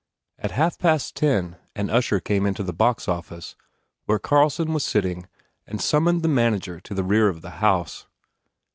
At half past ten an usher came into the box office where Carlson was sitting and summoned the manager to the rear of the house.